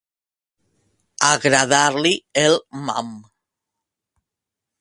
Agradar-li el mam.